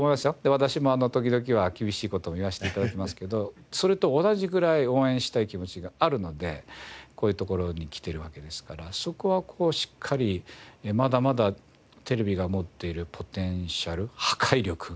私も時々は厳しい事も言わせて頂きますけどそれと同じぐらい応援したい気持ちがあるのでこういうところに来てるわけですからそこはしっかりまだまだ。と思いますね。